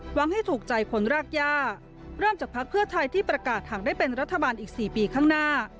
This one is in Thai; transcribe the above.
ให้ถูกใจคนรากย่าเริ่มจากพักเพื่อไทยที่ประกาศหากได้เป็นรัฐบาลอีก๔ปีข้างหน้า